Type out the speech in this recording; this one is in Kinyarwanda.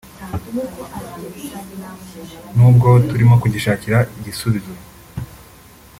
n’ubwo turimo kugishakira igisubizo